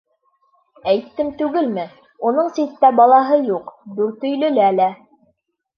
— Әйттем түгелме, уның ситтә балаһы юҡ, Дүртөйлөлә лә.